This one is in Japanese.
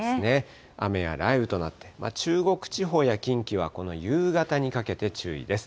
雨や雷雨となって、中国地方や近畿はこの夕方にかけて注意です。